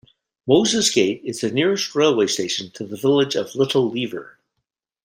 Moses Gate is the nearest railway station to the village of Little Lever.